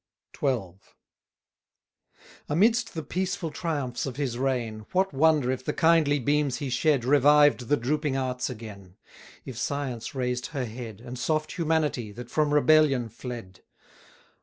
XII. Amidst the peaceful triumphs of his reign, What wonder if the kindly beams he shed Revived the drooping Arts again; If Science raised her head, And soft Humanity, that from rebellion fled!